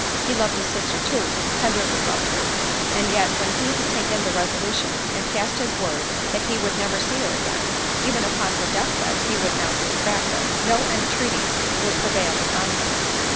He loved his sister too, tenderly loved her, and yet when he had taken the resolution, and passed his word that he would never see her again—even upon her death bed he would not retract it—no entreaties could prevail upon him.